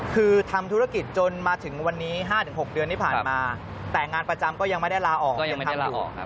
คือทำธุรกิจจนมาถึงวันนี้๕๖เดือนที่ผ่านมาแต่งานประจำก็ยังไม่ได้ลาออกยังทำอยู่